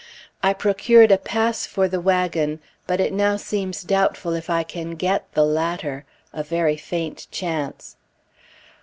I procured a pass for the wagon, but it now seems doubtful if I can get the latter a very faint chance.